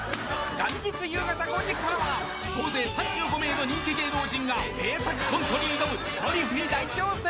［元日夕方５時からは総勢３５名の人気芸能人が名作コントに挑む『ドリフに大挑戦』］